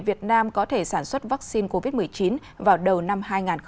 việt nam có thể sản xuất vaccine covid một mươi chín vào đầu năm hai nghìn hai mươi